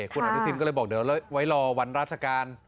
คุณอนุทินก็เลยบอกเดี๋ยวไว้รอวันราชการ